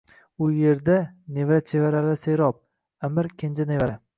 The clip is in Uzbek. u yerda nevara-chevaralari serob. Аmir — kenja nevara.